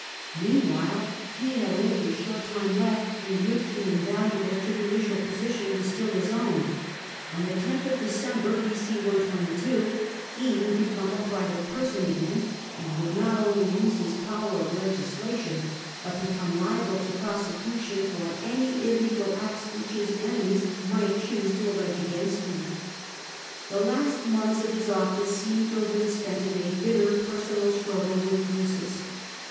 Meanwhile he had only a short time left in which the invaluable tribunicial position was still his own : on the loth of December B.c. 122, he would become a private person again, and would not only lose his power of legislation, but become liable to prosecu^ tion for any illegal acts which his enemies might choose to allege against him. The last months of his office seem to have been spent in a bitter personal struggle with Drusus.